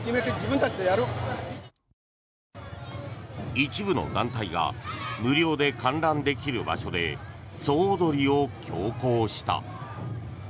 一部の団体が無料で観覧できる場所で総踊りを強行した。